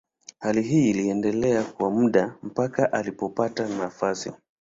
Hali hii iliendelea kwa muda mpaka alipopata nafasi.